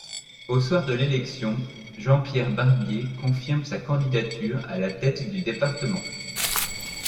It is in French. Au soir de l'élection, Jean-Pierre Barbier confirme sa candidature à la tête du département.